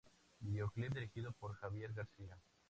Videoclip dirigido por Javier García.